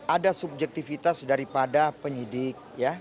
ada subjektivitas daripada penyidik